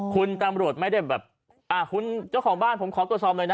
คุณตำรวจไม่ได้แบบอ่าคุณเจ้าของบ้านผมขอตรวจสอบหน่อยนะ